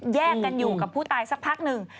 แยกกันอยู่กับผู้ตายสักพักหนึ่ง